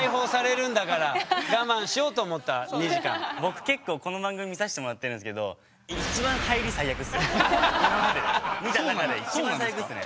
僕結構この番組見さしてもらってるんですけど今まで見た中でいちばん最悪っすね。